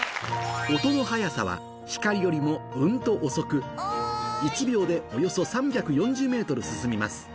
音の速さは光よりもうんと遅く１秒でおよそ３４０ｍ進みます